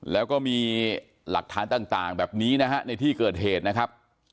แล้วก็มีหลักฐานต่างแบบนี้นะฮะในที่เกิดเหตุนะครับ